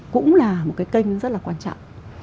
cũng là một cái kênh rất là quan trọng